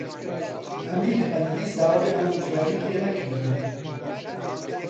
ئەمیر هەرگیز داوای ئامۆژگاریی لێ نەکردووم.